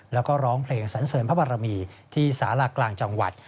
แล้วก็ร้องเพลงสันเสริญพระบารมีที่สารากลางจังหวัด